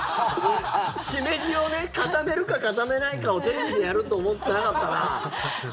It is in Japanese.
シメジを固めるか固めないかをテレビでやると思ってなかったな。